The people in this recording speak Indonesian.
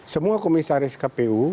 semua komisaris kpu